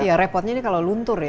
ya repotnya ini kalau luntur ya